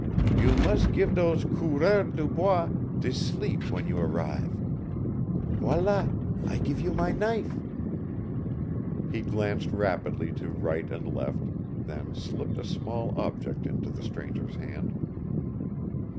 You mus' geev dose coureurs de bois de sleep w'en you arrive. Voilà, I geev you my knife!" He glanced rapidly to right and left, then slipped a small object into the stranger's hand.